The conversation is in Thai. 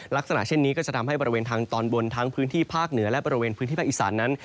ลักษณะเช่นนี้ก็จะทำให้บริเวณทางตอนบนทั้งพื้นที่ภาคเหนือและบริเวณพื้นที่ภาคอีสานนั้น